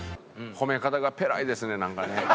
褒め方がペラいですねなんかね。